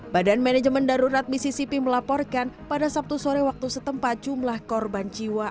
badan manajemen darurat misisipi melaporkan pada sabtu sore waktu setempat jumlah korban jiwa